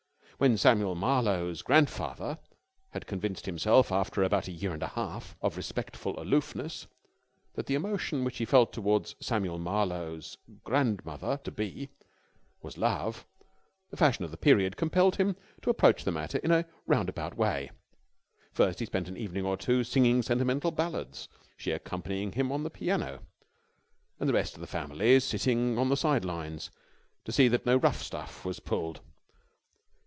When Samuel Marlowe's grandfather had convinced himself, after about a year and a half of respectful aloofness, that the emotion which he felt towards Samuel Marlowe's grandmother to be was love, the fashion of the period compelled him to approach the matter in a roundabout way. First, he spent an evening or two singing sentimental ballads, she accompanying him on the piano and the rest of the family sitting on the side lines to see that no rough stuff was pulled.